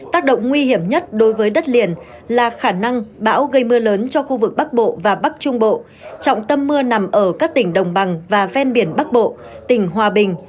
tác động nguy hiểm nhất đối với đất liền là khả năng bão gây mưa lớn cho khu vực bắc bộ và bắc trung bộ trọng tâm mưa nằm ở các tỉnh đồng bằng và ven biển bắc bộ tỉnh hòa bình